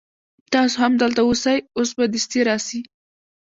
تاسو هم دلته اوسئ اوس به دستي راسي.